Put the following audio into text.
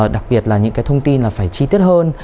đặc biệt là những cái thông tin là phải chi tiết hơn